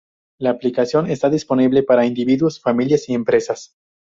La aplicación está disponible para individuos, familias y empresas.